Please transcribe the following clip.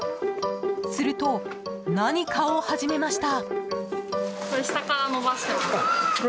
すると、何かを始めました。